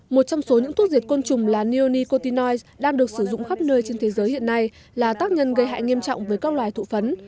một trong số những thuốc diệt côn trùng là nioni cortionite đang được sử dụng khắp nơi trên thế giới hiện nay là tác nhân gây hại nghiêm trọng với các loài thụ phấn